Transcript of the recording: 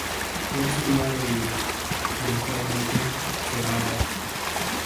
Fue exiliado y, eventualmente, cegado.